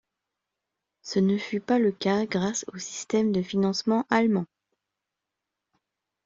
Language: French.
Ce ne fut pas le cas grâce au système de financement allemand.